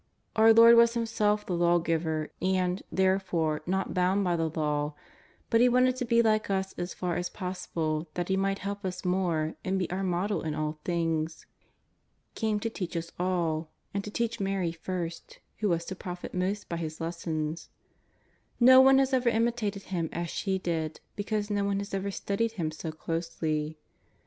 Our Lord was Himself the Lawgiver, and, therefore, not bound by the Law ; but He wanted to be like us as far as possible that He might help us more and be our Model in all things. He came to teach us all, and to teach Mary first, who was to profit most by His , lessons. Ko one has ever imitated Him as she did, be cause no one has ever studied Him so closely.